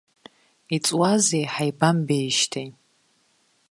Иҵуазеи ҳаибамбеижьҭеи.